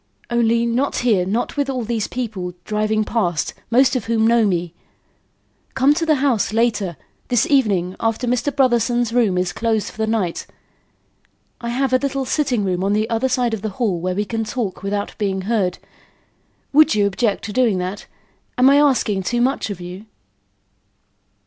Only, not here, not with all these people driving past; most of whom know me. Come to the house later this evening, after Mr. Brotherson's room is closed for the night. I have a little sitting room on the other side of the hall where we can talk without being heard. Would you object to doing that? Am I asking too much of you?"